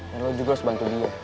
dan lo juga harus bantu dia